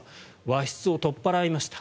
和室を取っ払いました。